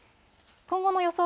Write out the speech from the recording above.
今後の予想